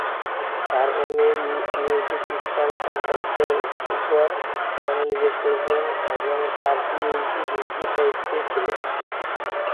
তার এমএ ইহুদি-খ্রিষ্টান সম্পর্কের উপর মনোনিবেশ করেছিলেন এবং তার পিএইচডি হিব্রু সাহিত্যে ছিল।